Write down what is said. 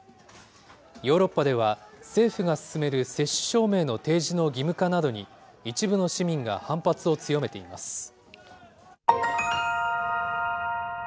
ヨーロッパでは、政府が進める接種証明の提示の義務化などに、一部の市民が反発を強めています。